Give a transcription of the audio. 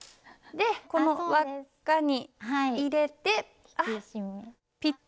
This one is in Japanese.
でこの輪っかに入れてピッと。